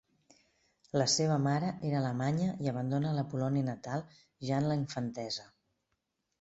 La seva mare era alemanya i abandona la Polònia natal ja en la infantesa.